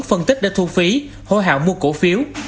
phân tích để thu phí hô hạo mua cổ phiếu